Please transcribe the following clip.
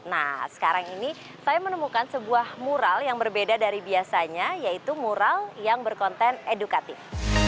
nah sekarang ini saya menemukan sebuah mural yang berbeda dari biasanya yaitu mural yang berkonten edukatif